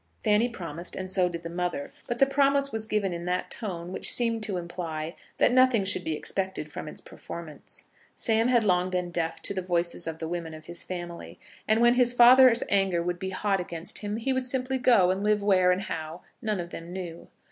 Fanny promised, and so did the mother; but the promise was given in that tone which seemed to imply that nothing should be expected from its performance. Sam had long been deaf to the voices of the women of his family, and, when his father's anger would be hot against him, he would simply go, and live where and how none of them knew.